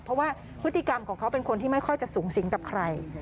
เพราะว่าพฤติกรรมของเขาเป็นคนที่ไม่ค่อยจะสูงสิงกับใคร